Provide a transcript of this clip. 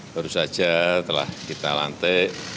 baru saja telah kita lantik